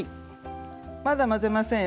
まだ混ぜませんよ